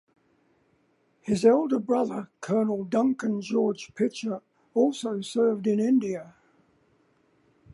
His elder brother Colonel Duncan George Pitcher also served in India.